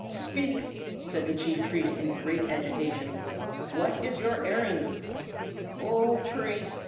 "Speak!" said the chief priest in great agitation, "what is your errand?" "O Priest!"